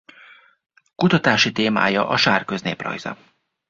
Kutatási témája a Sárköz néprajza.